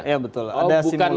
iya betul ada simulasi personal